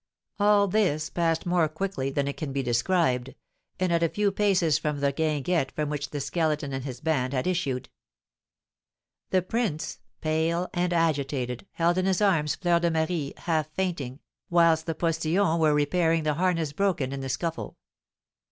All this passed more quickly than it can be described, and at a few paces from the guinguette from which the Skeleton and his band had issued. The prince, pale and agitated, held in his arms Fleur de Marie, half fainting, whilst the postilions were repairing the harness broken in the scuffle.